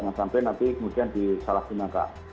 jangan sampai nanti kemudian disalahin angka